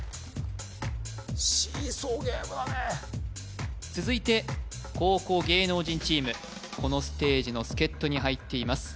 シーソーゲームだね続いて後攻芸能人チームこのステージの助っ人に入っています